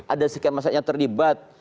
ada sekian masa yang terlibat